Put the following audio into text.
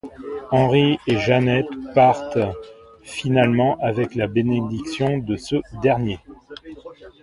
Henri et Jeannette partent finalement avec la bénédiction de ce dernier.